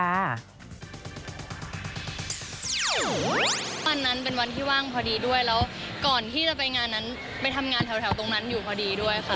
วันนั้นเป็นวันที่ว่างพอดีด้วยแล้วก่อนที่จะไปงานนั้นไปทำงานแถวตรงนั้นอยู่พอดีด้วยค่ะ